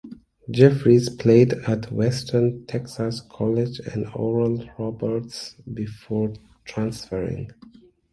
Jeffries played at Western Texas College and Oral Roberts before transferring.